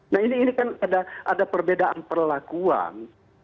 nah ini kan ada perbedaan perlakuan